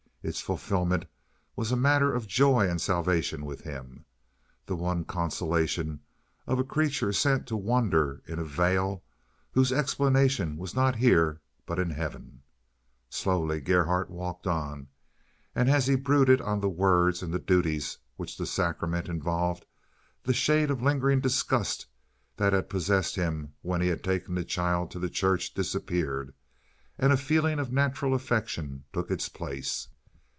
Its fulfilment was a matter of joy and salvation with him, the one consolation of a creature sent to wander in a vale whose explanation was not here but in heaven. Slowly Gerhardt walked on, and as he brooded on the words and the duties which the sacrament involved the shade of lingering disgust that had possessed him when he had taken the child to church disappeared and a feeling of natural affection took its place.